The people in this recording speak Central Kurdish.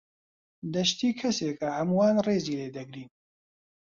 دەشتی کەسێکە هەموومان ڕێزی لێ دەگرین.